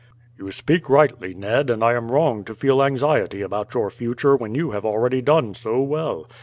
"You speak rightly, Ned; and I am wrong to feel anxiety about your future when you have already done so well.